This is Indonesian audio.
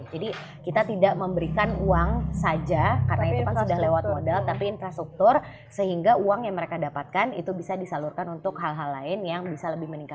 jadi kita tidak memberikan uang saja karena itu kan sudah lewat modal tapi infrastruktur sehingga uang yang mereka dapatkan itu bisa disalurkan untuk hal hal lain yang bisa lebih meningkatkan